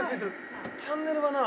「チャンネルがな」